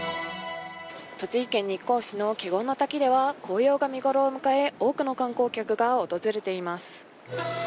栃木県日光市の華厳滝では紅葉が見頃を迎え多くの観光客が訪れています。